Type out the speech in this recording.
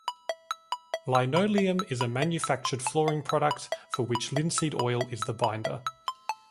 "Linoleum" is a manufactured flooring product for which linseed oil is the binder.